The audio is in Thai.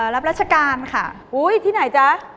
รับรัชการค่ะที่ไหนจ๊ะ